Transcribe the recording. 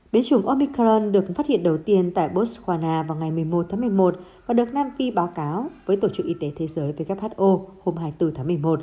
biến chủng omicron được phát hiện đầu tiên tại botswana vào ngày một mươi một tháng một mươi một và được nam phi báo cáo với tổ chức y tế thế giới who hôm nay